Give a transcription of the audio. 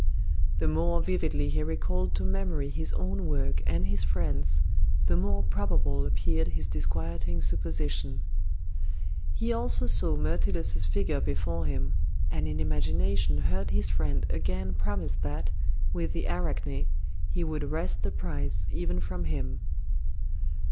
The more vividly he recalled to memory his own work and his friend's, the more probable appeared his disquieting supposition. He also saw Myrtilus's figure before him, and in imagination heard his friend again promise that, with the Arachne, he would wrest the prize even from him.